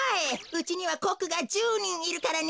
うちにはコックが１０にんいるからね。